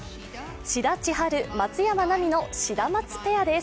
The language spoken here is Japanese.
志田千陽・松山奈未のシダマツペアです。